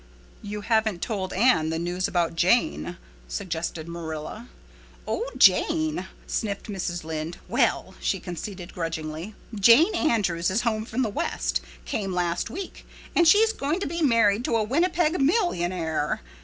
"You haven't told Anne the news about Jane," suggested Marilla. "Oh, Jane," sniffed Mrs. Lynde. "Well," she conceded grudgingly, "Jane Andrews is home from the West—came last week—and she's going to be married to a Winnipeg millionaire.